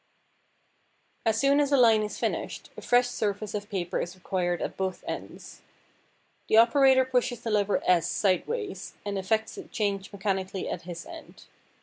As soon as a line is finished a fresh surface of paper is required at both ends. The operator pushes the lever S sideways, and effects the change mechanically at his end.